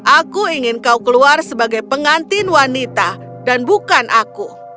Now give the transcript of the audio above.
aku ingin kau keluar sebagai pengantin wanita dan bukan aku